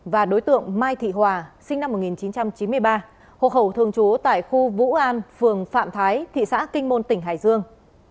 và đối tượng mai thị hòa sinh năm một nghìn chín trăm chín mươi ba hộ khẩu thường trú tại khu vũ an phường phạm thái thị xã kinh môn tỉnh hải dương